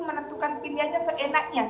menentukan pilihannya seenaknya